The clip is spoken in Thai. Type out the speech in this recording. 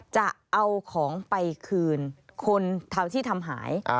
จะเอาของไปคืนคนเท่าที่ทำหาย